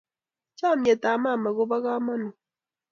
chamiet ab mama ko bo kamangut